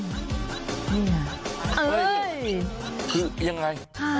นี่ค่ะเอาเลย